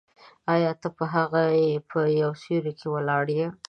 آیا ته به هم هغه یې په یو سیوري کې ولاړ یې.